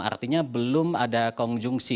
artinya belum ada konjungsi